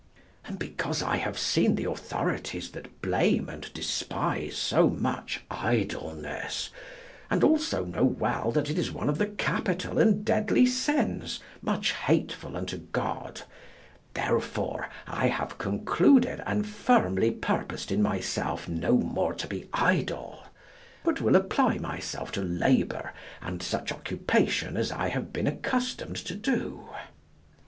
And because I have seen the authorities that blame and despise so much idleness, and also know well that it is one of the capital and deadly sins much hateful unto God, therefore I have concluded and firmly purposed in myself no more to be idle, but will apply myself to labour and such occupation as I have been accustomed to do.